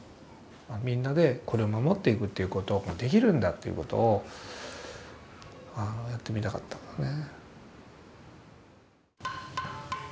みんなでこれを守っていくということができるんだということをやってみたかったんだね。